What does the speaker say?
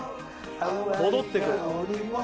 「戻ってくる」